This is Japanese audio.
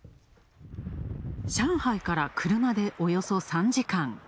上海から車で、およそ３時間。